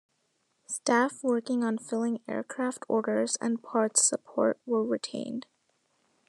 Staff working on filling aircraft orders and parts support were retained.